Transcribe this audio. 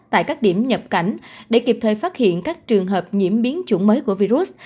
tại các điểm nhập cảnh để kịp thời phát hiện các trường hợp nhiễm biến chủng mới của virus